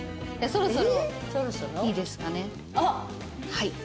はい。